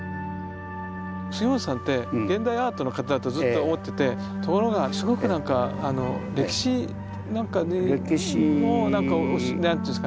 杉本さんって現代アートの方だとずっと思っててところがすごく何か歴史なんかにも何ていうんですかね